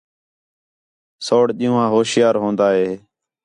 سَوڑ ݙِین٘ہوں آ ہوشیار ہون٘دا ہِے